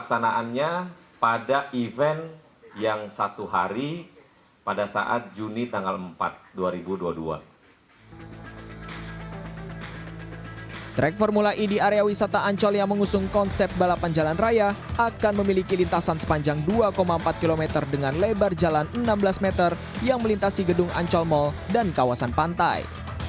sirkuit formula e di area wisata ancol yang mengusung konsep balapan jalan raya akan memiliki lintasan sepanjang dua empat km dengan lebar jalan enam belas meter yang melintasi gedung ancol mall dan kawasan pantai